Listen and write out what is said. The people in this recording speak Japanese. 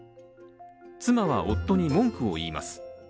妻は夫に文句を言います。